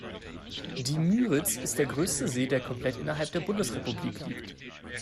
Die Müritz ist der größte See, der komplett innerhalb der Bundesrepublik liegt.